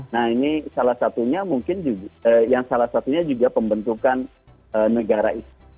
nah ini salah satunya mungkin yang salah satunya juga pembentukan negara itu